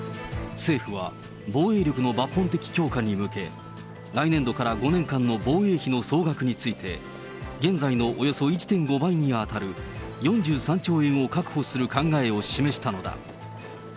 政府は、防衛力の抜本的強化に向け、来年度から５年間の防衛費の総額について、現在のおよそ１．５倍に当たる４３兆円を確保する考えを示したのだ。